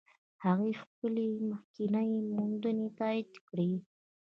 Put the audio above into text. هغې خپلې مخکینۍ موندنې تایید کړې.